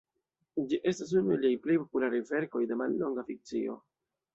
Ĝi estas unu el liaj plej popularaj verkoj de mallonga fikcio.